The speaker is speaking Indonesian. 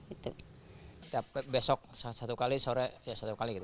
setiap besok satu kali sore ya satu kali gitu